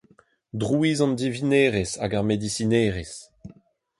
Drouiz an divinerezh hag ar medisinerezh.